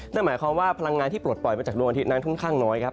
นั่นหมายความว่าพลังงานที่ปลดปล่อยมาจากดวงอาทิตยนั้นค่อนข้างน้อยครับ